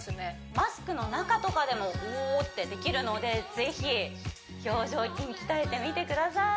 マスクの中とかでもうおーってできるので是非表情筋鍛えてみてください